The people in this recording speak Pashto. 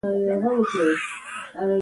موږ ته هر ملک تلک دی، چۍ زموږ په سر روپۍ خوری